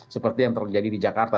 seperti yang terjadi di jakarta